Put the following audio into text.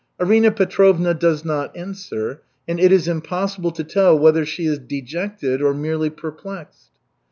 Arina Petrovna does not answer, and it is impossible to tell whether she is dejected or merely perplexed.